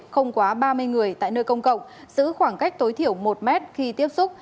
không quá ba mươi người tại nơi công cộng giữ khoảng cách tối thiểu một mét khi tiếp xúc